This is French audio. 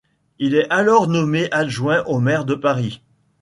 Il est alors nommé adjoint au maire de Paris.